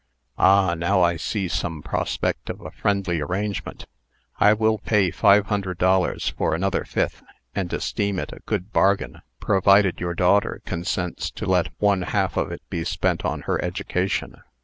"Ah, now I see some prospect of a friendly arrangement. I will pay five hundred dollars for another fifth, and esteem it a good bargain, provided your daughter consents to let one half of it be spent on her education.